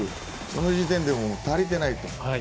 その時点でもう足りていないと。